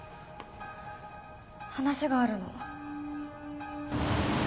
話があるの。